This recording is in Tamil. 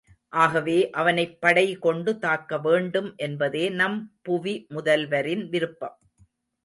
ஆகவே, அவனைப் படை கொண்டு தாக்க வேண்டும் என்பதே நம் புவி முதல்வரின் விருப்பம்.